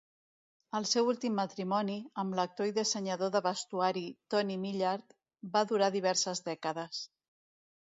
El seu últim matrimoni, amb l'actor i dissenyador de vestuari Tony Millard, va durar diverses dècades.